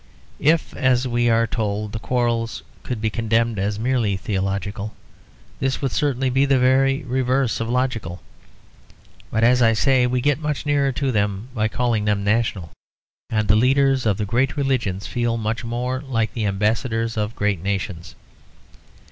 If, as we are told, the quarrels could be condemned as merely theological, this would certainly be the very reverse of logical. But as I say, we get much nearer to them by calling them national; and the leaders of the great religions feel much more like the ambassadors of great nations.